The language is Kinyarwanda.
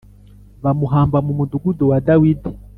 bamuhamba mu mudugudu wa Dawidi